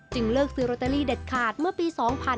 เลิกซื้อโรตเตอรี่เด็ดขาดเมื่อปี๒๕๕๙